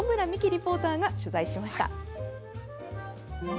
リポーターが取材しました。